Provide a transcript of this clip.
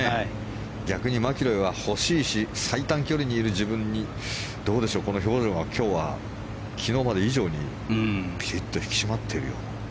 逆にマキロイは欲しいし最短距離にいる自分にどうでしょう、この表情が今日は昨日まで以上にキリっと引き締まっているような。